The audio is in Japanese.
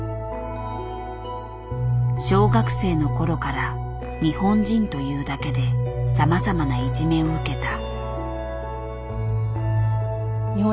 小学生の頃から日本人というだけでさまざまないじめを受けた。